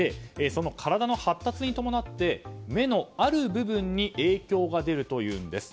体の発達に伴って目のある部分に影響が出るというんです。